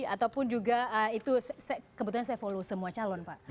ataupun juga itu kebetulan saya follow semua calon pak